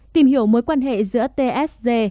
tìm hiểu mối quan hệ giữa tsd